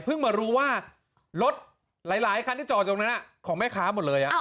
มารู้ว่ารถหลายคันที่จอดตรงนั้นของแม่ค้าหมดเลย